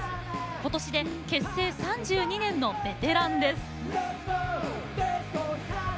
ことしで結成３２年のベテランです。